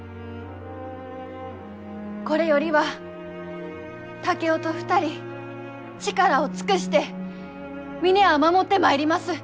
これよりは竹雄と２人力を尽くして峰屋を守ってまいります。